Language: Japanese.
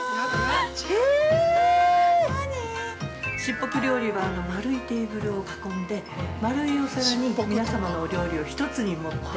◆卓袱料理は、丸いテーブルを囲んで丸いお皿に皆様のお料理を１つに盛って。